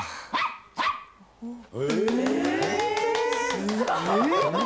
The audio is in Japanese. すごーい。